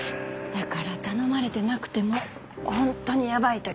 だから頼まれてなくても本当にやばい時は助ける。